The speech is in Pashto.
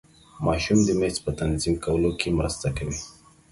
ماشوم د میز په تنظیم کولو کې مرسته کوي.